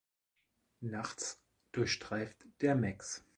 Nachts durchstreift der mex.